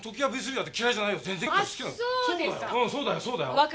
そうだよ！